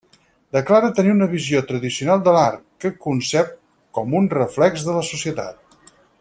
Declara tenir una visió tradicional de l'art, que concep com un reflex de la societat.